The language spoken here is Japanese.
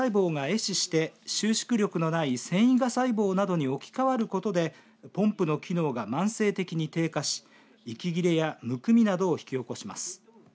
死して収縮力のない線維芽細胞などに置き変わることでポンプの機能が慢性的に低下し息切れや、むくみなどを引き起こします。